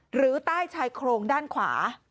หรือใต้ชายโครงด้านขวา